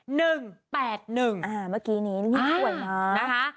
เหมือนเมื่อกี้นี้นี่สวยนะ